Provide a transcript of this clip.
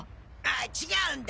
違うんだ。